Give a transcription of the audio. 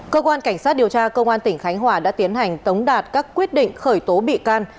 cơ quan cảnh sát điều tra công an tỉnh khánh hòa đã tiến hành tống đạt các quyết định khởi tố bị can